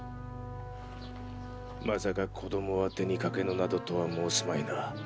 まさか「子供は手に掛けぬ」などとは申すまいな。